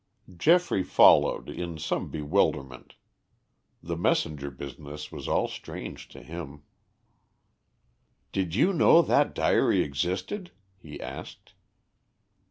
Geoffrey followed in some bewilderment. The messenger business was all strange to him. "Did you know that diary existed?" he asked.